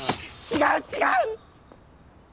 違う違う！